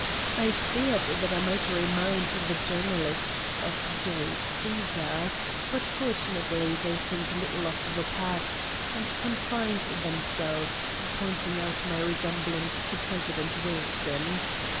I feared that I might re mind the journalists of J. Caesar, but fortunately they think little of the past and confined them selves to pointing out my resemblance to Presi dent Wilson.